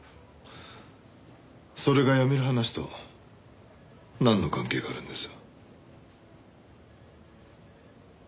それが辞める話となんの関係があるんです？